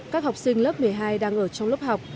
các học sinh lớp một mươi hai đang ở trong lớp học